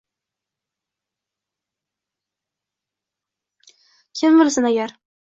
Kim bilsin agar